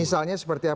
misalnya seperti apa